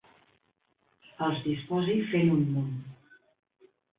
Els disposi fent un munt.